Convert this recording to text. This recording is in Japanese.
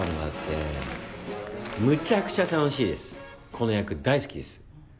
この役大好きです。